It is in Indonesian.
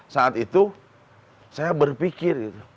saat itu saya berpikir